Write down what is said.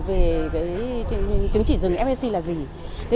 về chứng chỉ rừng fsc là gì